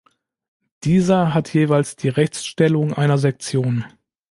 Dieser hat jeweils die Rechtsstellung einer Sektion.